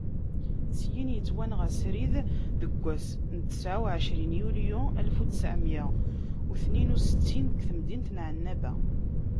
Syin, yettwanɣa srid deg wass n tesɛa uɛecrin yunyu alef u ttɛemya u tniyen u ttsɛin deg temdint n Ɛennaba.